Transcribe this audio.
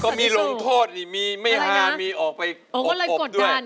ก็มีหลงโทษงี้มีออกไปวนด้วย